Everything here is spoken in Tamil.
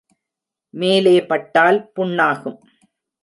மேலே பட்டால் புண்ணாகும்.